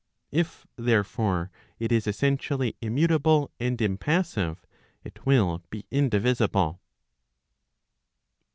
If, therefore, it is essentially immutable and impassive, it will be indivisible.